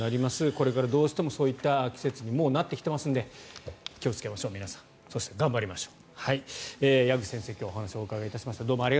これからどうしてもそういった季節にもうなってきていますので気をつけましょう、皆さんそして頑張りましょう。